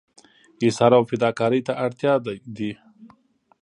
ایثار او فداکارۍ ته تیار دي.